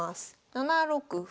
７六歩。